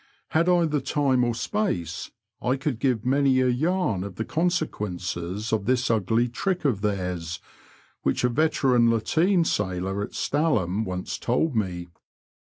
Had I the time or space, I could give many a yam of the con sequences of this ugly trick of theirs, which a veteran lateen sailor at Stalham once told me.